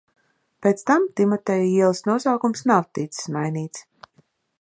Pēc tam Timoteja ielas nosaukums nav ticis mainīts.